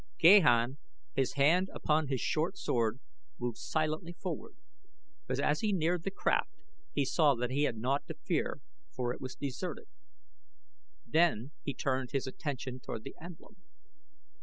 Gahan, his hand upon his short sword, moved silently forward, but as he neared the craft he saw that he had naught to fear, for it was deserted. Then he turned his attention toward the emblem.